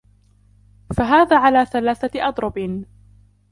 فَهَذَا عَلَى ثَلَاثَةِ أَضْرُبٍ